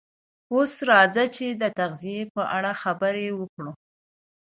اوس راځئ چې د تغذیې په اړه خبرې وکړو